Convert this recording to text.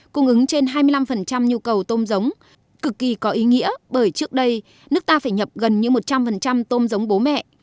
cung ứng trên hai mươi năm nhu cầu tôm giống cực kỳ có ý nghĩa bởi trước đây nước ta phải nhập gần như một trăm linh tôm giống bố mẹ